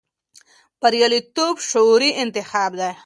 بریالیتوب شعوري انتخاب دی.